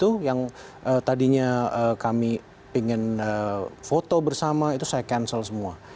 dan itu yang tadinya kami ingin foto bersama itu saya cancel semua